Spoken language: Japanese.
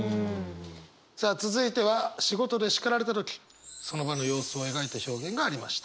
さあ続いては仕事で叱られた時その場の様子を描いた表現がありました。